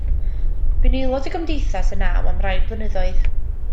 Bu'n aelod o Gymdeithas Y Naw am rai blynyddoedd.